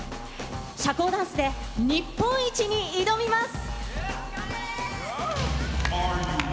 社交ダンスで日本一に挑みます。